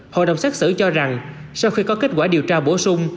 hội đồng xét xử cho rằng sau khi có kết quả điều tra bổ sung